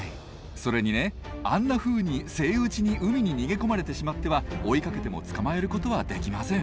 それにねあんなふうにセイウチに海に逃げ込まれてしまっては追いかけても捕まえることはできません。